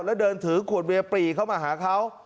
แล้วเดินถือขวดเวียปรีเข้ามาหาเขา